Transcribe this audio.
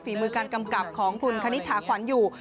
มือการกำกับของคุณคณิตถาขวัญอยู่